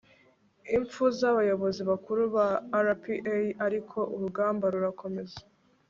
impfu z'abayobozi bakuru ba rpa, ariko urugamba rurakomeza